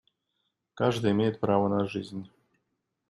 Каждый имеет право на жизнь.